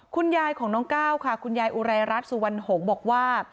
คุณยายของน้องก้าวค่ะคุณยายอุไรรัฐสุวรรณหงษ์บอกว่า